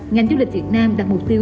ngành du lịch việt nam đặt mục tiêu